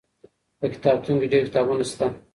په کتابتون کي ډېر کتابونه سته.